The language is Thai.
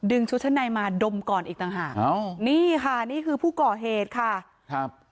ชุดชั้นในมาดมก่อนอีกต่างหากอ้าวนี่ค่ะนี่คือผู้ก่อเหตุค่ะครับ